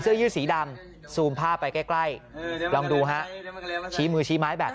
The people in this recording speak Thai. เสื้อยืดสีดำซูมภาพไปใกล้ลองดูฮะชี้มือชี้ไม้แบบ